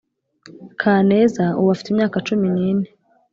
kaneza ubu afite imyaka cumi n’ine.